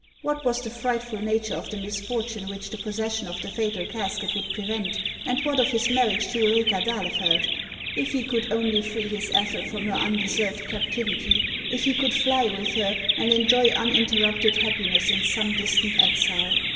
What was the frightful na ture of the misfortune which the possession of the fatal casket would prevent, and what of his marriage to Ulrica d'Ahlefeld ? If he could only free his Ethel from her un deserved captivity ; if he could fly with her, and enjoy uninterrupted happiness in some distant exile !